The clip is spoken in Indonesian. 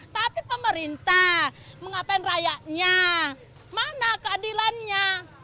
tapi pemerintah mengapain rakyatnya mana keadilannya